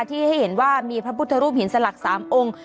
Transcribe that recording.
ที่ให้เห็นว่ามีพระพุทธรูปหินสลัก๓องค์